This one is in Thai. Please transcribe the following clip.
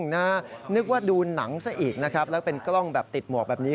นึกว่าดูหนังซะอีกนะครับแล้วเป็นกล้องแบบติดหมวกแบบนี้